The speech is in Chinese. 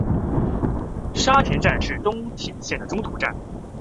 沙田站是东铁线的中途站。